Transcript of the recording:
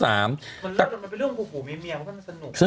มันเป็นเรื่องหูมีเมียมันก็สนุก